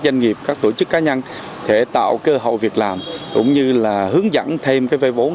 doanh nghiệp các tổ chức cá nhân sẽ tạo cơ hội việc làm cũng như là hướng dẫn thêm cái vay vốn